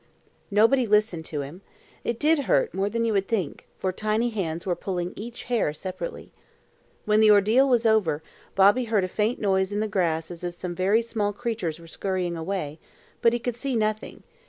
Nobody listened to him. It did hurt, more than you would think, for tiny hands were pulling each hair separately. When the ordeal was over, Bobby heard a faint noise in the grass as if some very small creatures were scurrying away, but he could see nothing.